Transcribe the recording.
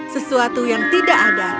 sesuatu yang tidak ada